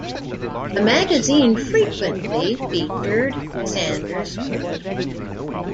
The magazine frequently featured Sanders' work.